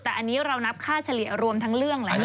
แต่อันนี้เรานับค่าเฉลี่ยรวมทั้งเรื่องแล้ว